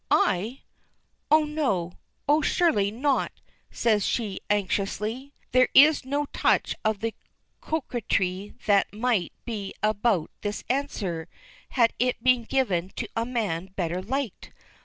"I! Oh, no. Oh, surely not!" says she anxiously. There is no touch of the coquetry that might be about this answer had it been given to a man better liked.